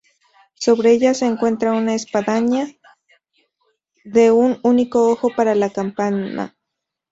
Sobre ella se encuentra una espadaña de un único ojo para la campana.